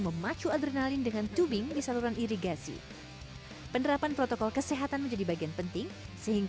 perjalanan tubing di saluran irigasi desa wisata sesaut sedalam dua meter